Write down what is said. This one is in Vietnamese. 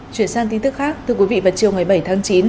chuyển sang tin tức khác thưa quý vị vào chiều ngày bảy tháng chín